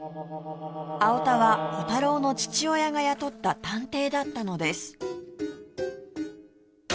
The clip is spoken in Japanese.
青田はコタローの父親が雇った探偵だったのです